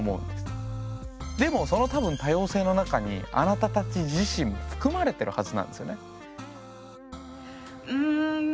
でもその多分多様性の中にあなたたち自身も含まれてるはずなんですよね。